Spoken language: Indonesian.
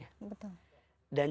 dan jangan pernah gelisah